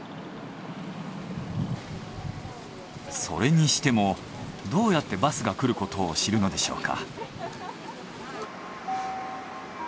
それにしてもどうやってバスが来ることを知るのでしょうか？